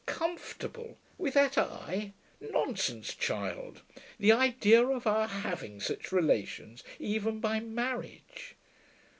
'Comfortable! With that Eye! Nonsense, child.... The idea of our having such relations, even by marriage....